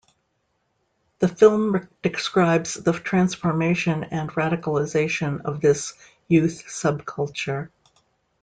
The film describes the transformation and radicalisation of this youth subculture.